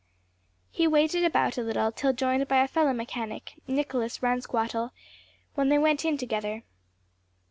He waited about a little, till joined by a fellow mechanic, Nicholas Ransquattle, when they went in together.